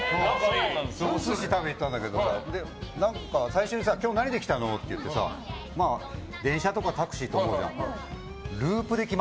お寿司食べに行ったんだけど最初に、今日何で来たの？って聞いたら電車とかタクシーだと思うじゃん。